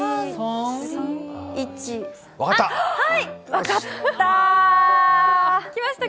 分かった！